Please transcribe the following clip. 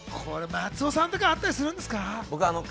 松尾さんとかあったりするんですか？